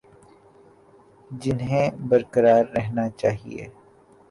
جنہیں برقرار رہنا چاہیے